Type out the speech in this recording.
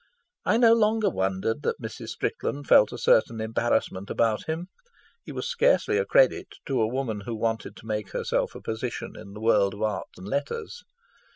I no longer wondered that Mrs. Strickland felt a certain embarrassment about him; he was scarcely a credit to a woman who wanted to make herself a position in the world of art and letters.